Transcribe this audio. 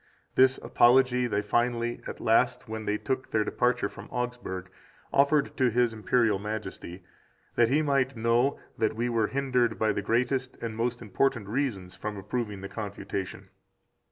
This Apology they finally [at last when they took their departure from Augsburg] offered to His Imperial Majesty, that he might know that we were hindered by the greatest and most important reasons from approving the Confutation.